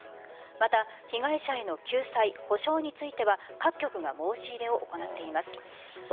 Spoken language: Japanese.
また被害者への救済、補償については各局が申し入れを行っています。